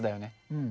うん。